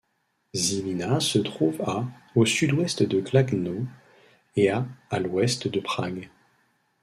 Žilina se trouve à au sud-ouest de Kladno et à à l'ouest de Prague.